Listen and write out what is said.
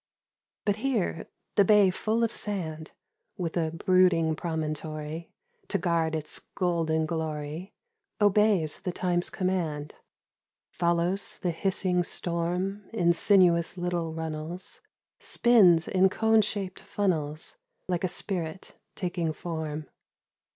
But here the bay full of sand, with a brooding promontory To guard its golden glory, obeys the time's command, Follows the hissing storm in sinuous little runnels, Spins in cone shaped funnels, like a spirit taking form.